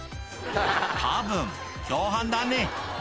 たぶん共犯だね